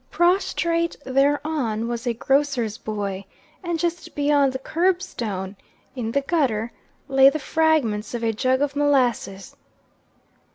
Prostrate thereon was a grocer's boy, and just beyond the curb stone, in the gutter, lay the fragments of a jug of molasses.